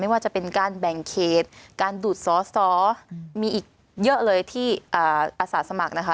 ว่าจะเป็นการแบ่งเขตการดูดสอสอมีอีกเยอะเลยที่อาสาสมัครนะคะ